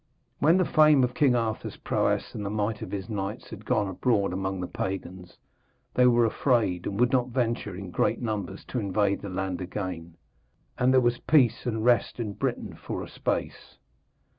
When the fame of King Arthur's prowess and the might of his knights had gone abroad among the pagans, they were afraid and would not venture in great numbers to invade the land again, and there was peace and rest in Britain for a space.